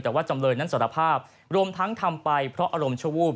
แต่ว่าจำเลยนั้นสารภาพรวมทั้งทำไปเพราะอารมณ์ชั่ววูบ